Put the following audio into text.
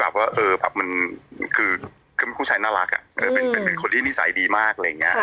เป็นคนที่นิสัยดีมาก